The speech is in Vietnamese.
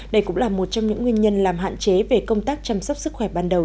đây cũng là một trong những nguyên nhân làm hạn chế về công tác chăm sóc sức khỏe ban đầu